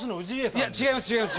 いや違います